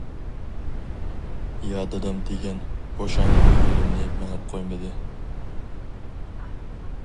يا دادام دېگەن بوشاڭمۇ يولۇمنى مېڭىپ قويمىدى.